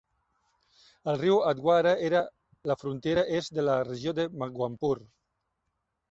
El riu Adhwara era la frontera est de la regió de Makwanpur.